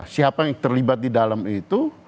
siapa yang terlibat di dalam itu